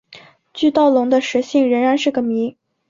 巨盗龙的食性仍然是个谜。